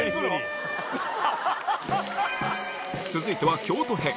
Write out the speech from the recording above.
続いては京都編。